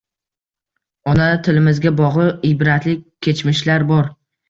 Ona tilimizga bog‘liq ibratli kechmishlar bor.